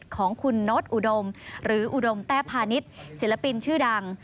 ของคุณโน๊ตอุดมหรืออุดมแต้พาณิชย์ศิลปินชื่อดัง